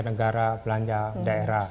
negara belanja daerah